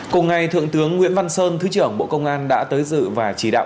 cùng ngày thượng tướng nguyễn văn sơn thứ trưởng bộ công an đã tới dự và chỉ đạo